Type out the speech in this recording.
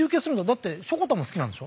だってしょこたんも好きなんでしょ？